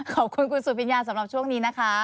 ขอบคุณคุณสุปิญญาสำหรับช่วงนี้นะคะ